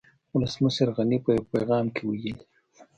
ولسمشر غني په يو پيغام کې ويلي